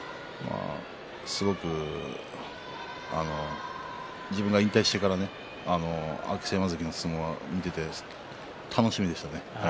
すごく自分が引退してから明瀬山関の相撲は見ていて楽しみでしたね。